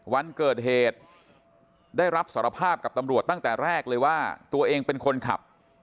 วันเกิดเหตุได้รับสารภาพกับตำรวจตั้งแต่แรกเลยว่าตัวเองเป็นคนขับ